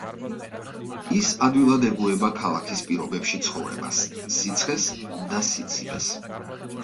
ის ადვილად ეგუება ქალაქის პირობებში ცხოვრებას, სიცხეს და სიცივეს.